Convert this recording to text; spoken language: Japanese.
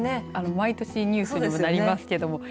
毎年ニュースにもなりますけども。